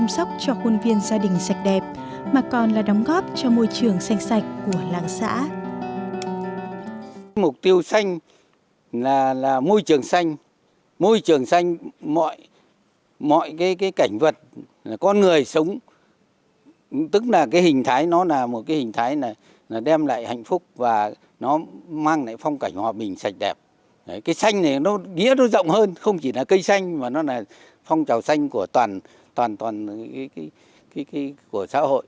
chăm sóc cho khuôn viên gia đình sạch đẹp mà còn là đóng góp cho môi trường xanh sạch của làng xã